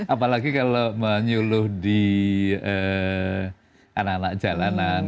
apalagi kalau menyuluh di anak anak jalanan